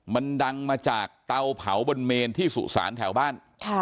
มันดังมาจากเตาเผาบนเมนที่สุสานแถวบ้าน